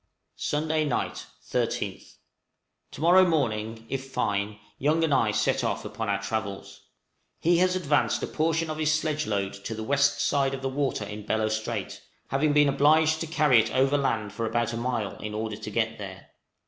Sunday night, 13th. To morrow morning, if fine, Young and I set off upon our travels. He has advanced a portion of his sledge load to the west side of the water in Bellot Strait, having been obliged to carry it overland for about a mile in order to get there.